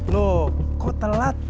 loh kok telat